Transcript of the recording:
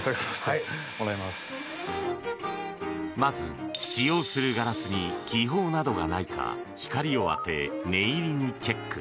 まず、使用するガラスに気泡などがないか光を当て、念入りにチェック。